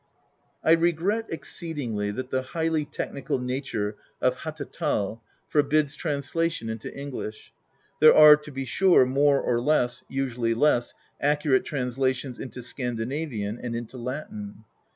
I regret exceedingly that the highly technical nature of Hattatal forbids translation into English. There are, to be sure, more or less — usually less — accurate translations into Scandinavian and into Latin.